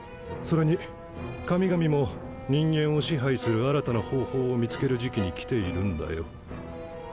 それに神々も人間を支配する新たな方法を見つける時期に来ているんだよ。